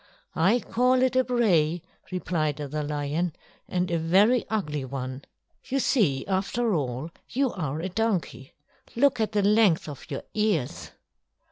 "I call it a bray," replied the lion; "and a very ugly one. You see, after all, you are a donkey; look at the length of your ears!"